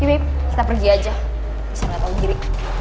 yoy babe kita pergi aja bisa ga tau diri